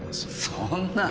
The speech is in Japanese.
そんな。